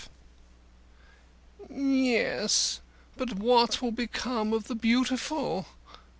V "Yes, but what will become of the Beautiful?"